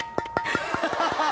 ハハハ！